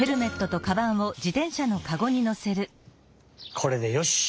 これでよし！